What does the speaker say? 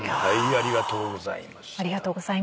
ありがとうございます。